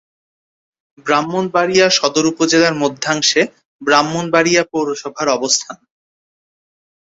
ব্রাহ্মণবাড়িয়া সদর উপজেলার মধ্যাংশে ব্রাহ্মণবাড়িয়া পৌরসভার অবস্থান।